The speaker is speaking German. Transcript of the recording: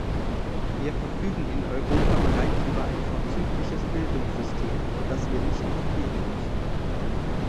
Wir verfügen in Europa bereits über ein vorzügliches Bildungssystem, das wir nicht kopieren müssen.